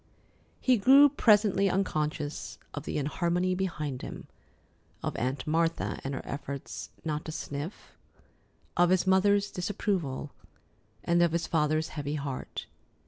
He grew presently unconscious of the inharmony behind him: of Aunt Martha and her efforts not to "sniff"; of his mother's disapproval; and of his father's heavy heart.